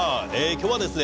今日はですね